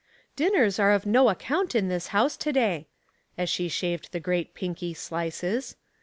Dinners are of no account in this house to day," ac she shaved the great pinky slices.